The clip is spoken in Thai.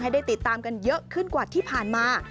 ได้ติดตามกันเยอะขึ้นกว่าที่ผ่านมา